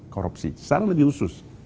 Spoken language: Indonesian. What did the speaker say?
korupsi secara lebih khusus